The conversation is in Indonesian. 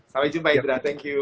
sampai jumpa indra thank you